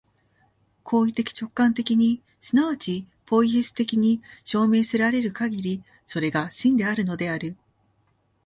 行為的直観的に即ちポイエシス的に証明せられるかぎり、それが真であるのである。